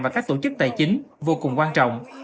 và các tổ chức tài chính vô cùng quan trọng